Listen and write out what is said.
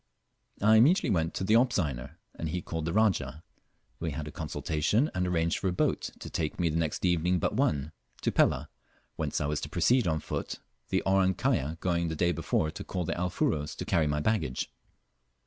I immediately went to the Opzeiner, and he called the Rajah. We had a consultation, and arranged for a boat to take me the next evening but one, to Pelah, whence I was to proceed on foot, the Orang kaya going the day before to call the Alfuros to carry my baggage.